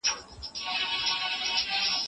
يار ځکه د شونډو د شکرو ماته ست کوي